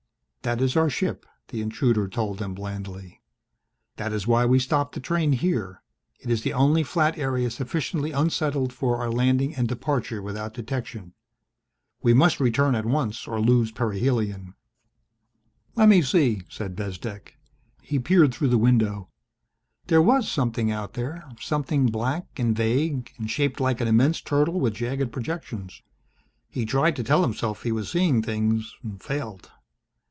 "That is our ship," the intruder told them blandly. "That is why we stopped the train here. It is the only flat area sufficiently unsettled for our landing and departure without detection. We must return at once or lose perihelion." "Let me see," said Bezdek. He peered through the window. There was something out there something black and vague and shaped like an immense turtle with jagged projections. He tried to tell himself he was seeing things, failed.